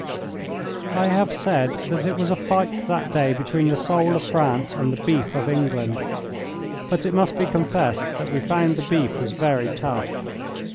I have said that it was a fight that day between the soul of France and the beef of England, but it must be confessed that we found the beef was very tough.